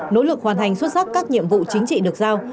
nỗ lực hoàn thành xuất sắc các nhiệm vụ chính trị được giao